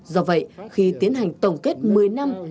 do vậy khi tiến hành tổng kết một mươi năm